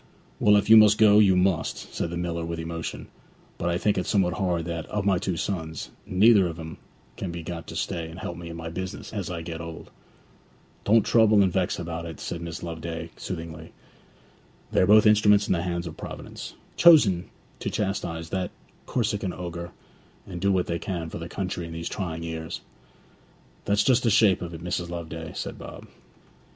'Well, if you must go, you must,' said the miller with emotion; 'but I think it somewhat hard that, of my two sons, neither one of 'em can be got to stay and help me in my business as I get old.' 'Don't trouble and vex about it,' said Mrs. Loveday soothingly. 'They are both instruments in the hands of Providence, chosen to chastise that Corsican ogre, and do what they can for the country in these trying years.' 'That's just the shape of it, Mrs. Loveday,' said Bob.